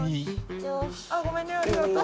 ごめんねありがとう。